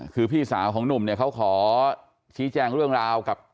คือพี่สาวของหนุ่มเนี่ยเขาขอชี้แจงเรื่องราวกับ